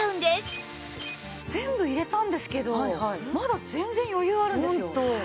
全部入れたんですけどまだ全然余裕あるんですよ。